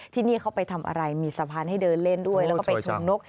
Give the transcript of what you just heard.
ที่นี่เขาไปทำอะไรมีสะพานให้เดินเล่นด้วยแล้วก็ไปชนนก